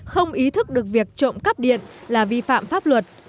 không ý thức được việc trộm cắp điện là vi phạm pháp luật